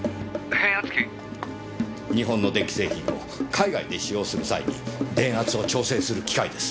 日本の電気製品を海外で使用する際に電圧を調整する機械です。